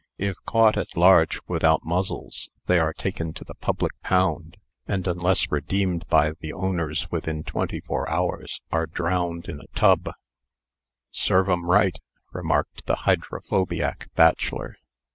"If caught at large without muzzles, they are taken to the public pound, and, unless redeemed by the owners within twenty four hours, are drowned in a tub " "Serve 'em right," remarked the hydrophobiac bachelor.